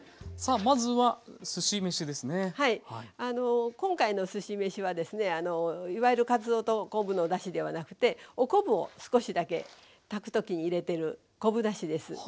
あの今回のすし飯はですねいわゆるカツオと昆布のだしではなくてお昆布を少しだけ炊く時に入れてる昆布だしです。